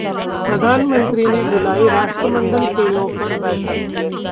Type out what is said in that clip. प्रधानमंत्री ने बुलाई राष्ट्रमंडल खेलों पर बैठक